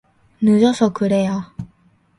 늦어서 그래요.